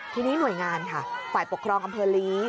ทีนี้หน่วยงานค่ะฝ่ายปกครองอำเภอลี